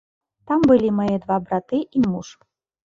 Там былі мае два браты і муж.